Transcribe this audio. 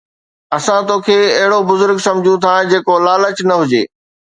اسان توکي اهڙو بزرگ سمجهون ٿا جيڪو لالچ نه هجي